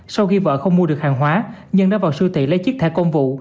sau khi vợ không mua được hàng hóa nhân đã vào siêu thị lấy chiếc thẻ công vụ